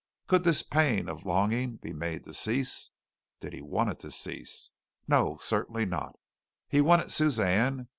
Could this pain of longing be made to cease? Did he want it to cease? No; certainly not! He wanted Suzanne.